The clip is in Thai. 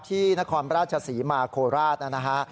ที่นครราชสีมาโคราชนะฮะ